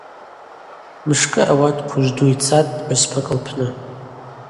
Мшкӏы ауат Хъвыжвду йцатӏ пхӏвыспакӏ лпны.